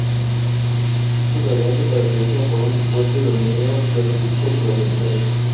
Este torneo se caracteriza por un fuerte dominio de los equipos sudamericanos.